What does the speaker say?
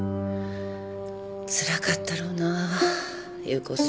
つらかったろうな夕子さん。